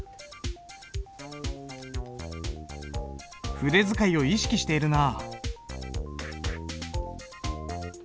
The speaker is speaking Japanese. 筆使いを意識しているなあ。